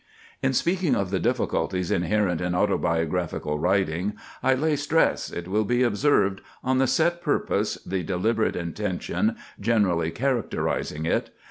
In speaking of the difficulties inherent in autobiographical writing, I lay stress, it will be observed, on the set purpose, the deliberate intention, generally characterizing it.